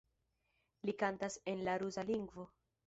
Li kantas en la rusa lingvo.